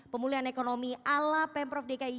pemulihan ekonomi ala pemprov dki